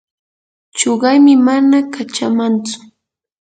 chuqaymi mana kachamantsu.